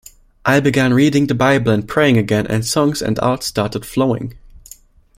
I began reading the Bible and praying again and songs and art started flowing.